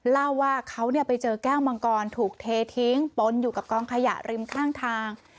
เล่าว่าเขาไปเจอแก้วมังกรถูกเททิ้งปนอยู่กับกองขยะริมข้างทาง